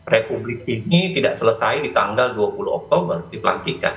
republik ini tidak selesai di tanggal dua puluh oktober di pelantikan